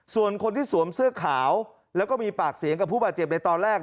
ส่วนคนที่สวมเสื้อขาวแล้วก็มีปากเสียงกับผู้บาดเจ็บในตอนแรก